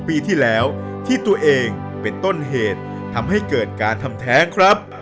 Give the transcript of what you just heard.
ปีที่แล้วที่ตัวเองเป็นต้นเหตุทำให้เกิดการทำแท้งครับ